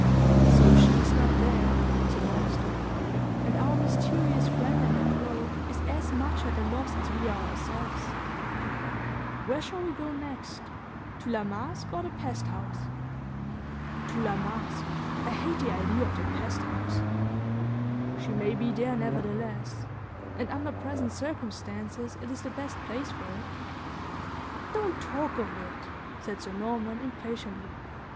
"So she is not there," said Ormiston; "and our mysterious friend in the cloak is as much at a loss as we are ourselves. Where shall we go next to La Masque or the peat house?" "To La Masque I hate the idea of the pest house!" "She may be there, nevertheless; and under present circumstances, it is the best place for her." "Don't talk of it!" said Sir Norman, impatiently.